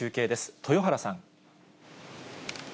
豊原さん。